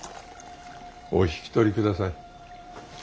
お引き取りください。